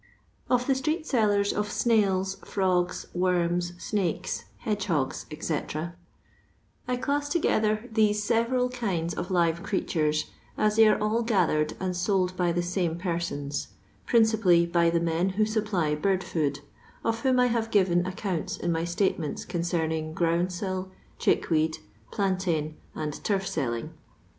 Or THi Stsket Sillib8 or Shails^ Fiooi^ Wo&xs, SxAus, HKDaiHoos, na I OLAM together these ieveral kinds of live cret* tares, as they are all '< gathered " and told by ^ same persons — ^principally by the men who npply bird food, of whom I have given aoeonnta in ny statemenu concerning groundsel, chickweed, plain tain, and turf selling.